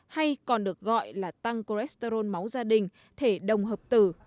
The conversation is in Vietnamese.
hay còn được gọi là tăng cholesterol máu gia đình thể đồng hợp tử